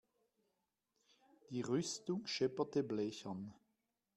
Die Rüstung schepperte blechern.